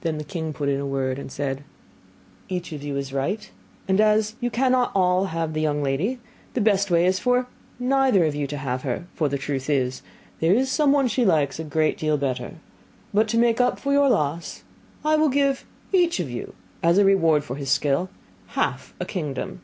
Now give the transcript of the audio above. Then the king put in a word, and said, 'Each of you is right; and as all cannot have the young lady, the best way is for neither of you to have her: for the truth is, there is somebody she likes a great deal better. But to make up for your loss, I will give each of you, as a reward for his skill, half a kingdom.